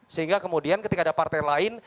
sehingga kemudian ketika ada partai lain